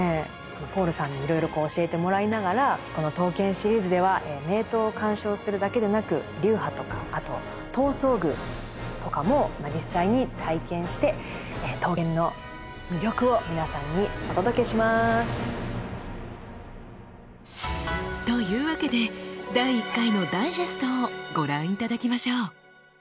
ポールさんにいろいろ教えてもらいながらこの刀剣シリーズでは名刀を鑑賞するだけでなく流派とかあと刀装具とかも実際に体験して刀剣の魅力を皆さんにお届けします。というわけで第１回のダイジェストをご覧頂きましょう。